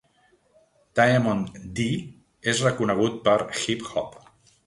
Diamond D és reconegut per "Hip Hop".